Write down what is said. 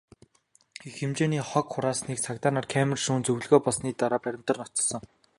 Их хэмжээний хог хураасныг цагдаа нар камер шүүн, зөвлөгөөн болсны дараа баримтаар нотолсон.